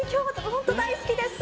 本当大好きです！